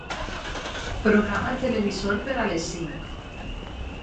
Programa el televisor per a les cinc.